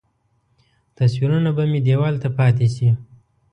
تصویرونه به مې دیوال ته پاتې شي.